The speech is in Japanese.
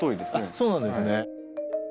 そうなんですね。